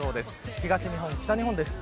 東日本、北日本です。